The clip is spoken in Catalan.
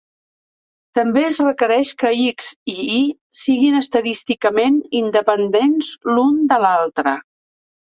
També es requereix que "X" i "Y" siguin estadísticament independents l'un de l'altre.